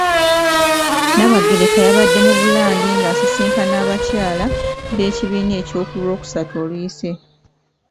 Nnaabagereka yabadde mu Bulange nga asisinkana abakyala b'ekibiina ekyo ku lwokusatu oluyise.